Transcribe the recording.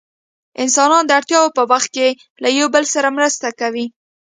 انسانان د اړتیا په وخت کې له یو بل سره مرسته کوي.